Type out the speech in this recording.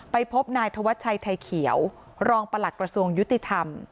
พบนายธวัชชัยไทยเขียวรองประหลัดกระทรวงยุติธรรม